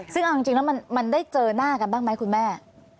ซึ่งเอาจริงแล้วมันได้เจอหน้ากันบ้างไหมคุณแม่